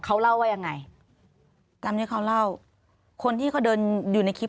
เขาเล่าว่ายังไงตามที่เขาเล่าคนที่เขาเดินอยู่ในคลิป